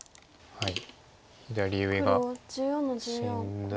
はい。